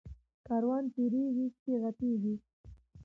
ـ کاروان تېريږي سپي غپيږي.